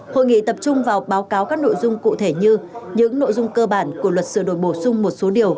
hội nghị tập trung vào báo cáo các nội dung cụ thể như những nội dung cơ bản của luật sửa đổi bổ sung một số điều